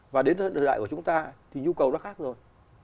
và đến thời đại của chúng ta thì nhu cầu nó khác rồi